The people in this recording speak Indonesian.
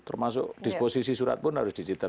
termasuk disposisi surat pun harus digital